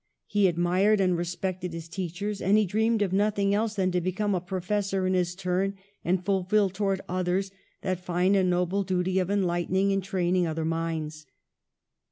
He admired and respected his teachers, and he dreamed of nothing else than to become a professor in his turn and ful fil towards others that fine and noble duty of enlightening and training other minds.